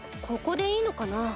ここでいいのかな？